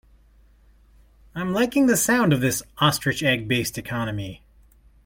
I'm liking the sound of this ostrich egg based economy.